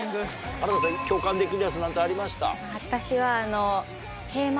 原田さん共感できるやつなんてありました？